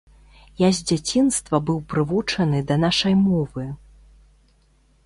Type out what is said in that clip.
Я з дзяцінства быў прывучаны да нашай мовы.